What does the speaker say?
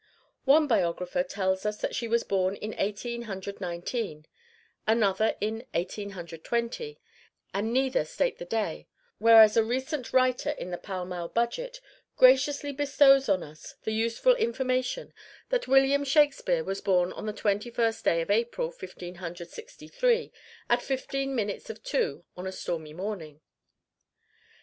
One biographer tells us that she was born in Eighteen Hundred Nineteen, another in Eighteen Hundred Twenty, and neither state the day; whereas a recent writer in the "Pall Mall Budget" graciously bestows on us the useful information that "William Shakespeare was born on the Twenty first day of April, Fifteen Hundred Sixty three, at fifteen minutes of two on a stormy morning."